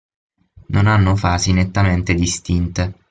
Non hanno fasi nettamente distinte.